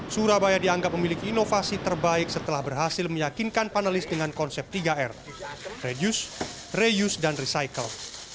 surabaya dianggap memiliki inovasi terbaik setelah berhasil meyakinkan panelis dengan konsep tiga r reduce reduce dan recycle